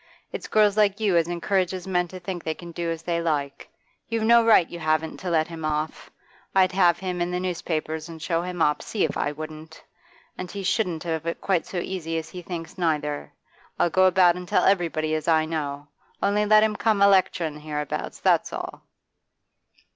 It's girls like you as encourages men to think they can do as they like. You've no right, you haven't, to let him off. I'd have him in the newspapers and show him up, see if I wouldn't. And he shan't have it quite so easy as he thinks neither; I'll go about and tell everybody as I know. Only let him come a lecturin' hereabouts, that's all!